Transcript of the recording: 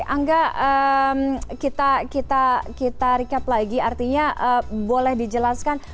angga kita recap lagi artinya boleh dijelaskan